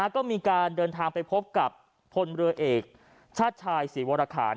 ก็มีการเดินทางไปพบกับพลเรือเอกชาติชายศรีวรคาร